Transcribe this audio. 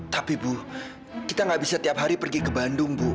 tapi bu kita gak bisa tiap hari pergi ke bandung bu